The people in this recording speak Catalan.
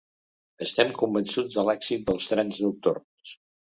Estem convençuts de l’èxit dels trens nocturns.